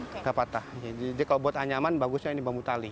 tidak patah jadi kalau buat anyaman bagusnya ini bambu tali